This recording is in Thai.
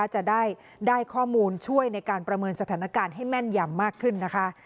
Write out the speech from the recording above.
จะได้ข้อมูลช่วยในการประเมินสถานการณ์ให้แม่นยำมากขึ้นนะคะ